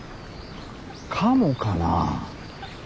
カモかなあ。